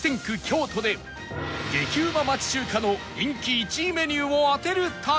京都で激うま町中華の人気１位メニューを当てる旅！